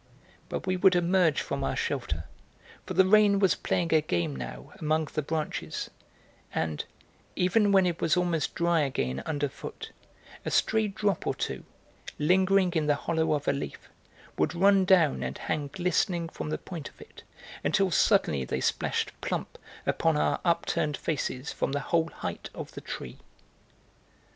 But we would emerge from our shelter, for the rain was playing a game, now, among the branches, and, even when it was almost dry again underfoot, a stray drop or two, lingering in the hollow of a leaf, would run down and hang glistening from the point of it until suddenly it splashed plump upon our upturned faces from the whole height of the tree.